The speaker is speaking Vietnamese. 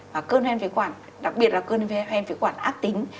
và cơn hen phế quản đặc biệt là cơn viêm hen phế quản ác tính